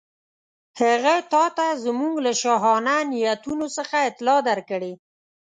هغه تاته زموږ له شاهانه نیتونو څخه اطلاع درکړې.